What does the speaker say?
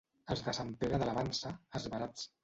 Els de Sant Pere de la Vansa, esverats.